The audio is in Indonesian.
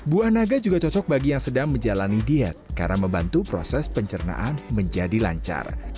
buah naga juga cocok bagi yang sedang menjalani diet karena membantu proses pencernaan menjadi lancar